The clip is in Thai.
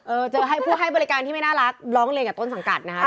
เจอให้ผู้ให้บริการที่ไม่น่ารักร้องเรียนกับต้นสังกัดนะคะ